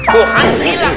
tuh kan gila